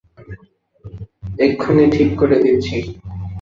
এক্ষুণি ঠিক করে দিচ্ছি।